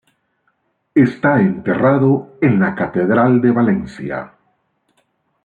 Está enterrado en la catedral de Valencia.